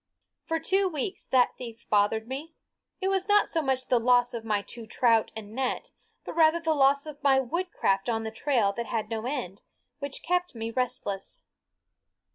For two weeks that theft bothered me. It was not so much the loss of my two trout and net, but rather the loss of my woodcraft on the trail that had no end, which kept me restless.